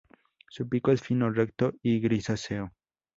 Su pico es fino, recto y grisáceo.